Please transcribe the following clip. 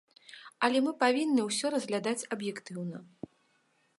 Але мы павінны ўсё разглядаць аб'ектыўна.